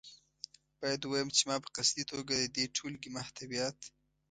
باید ووایم چې ما په قصدي توګه د دې ټولګې محتویات.